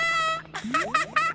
アハハハ！